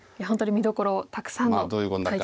本当に見どころたくさんの対局に。